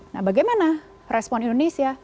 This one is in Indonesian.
nah bagaimana respon indonesia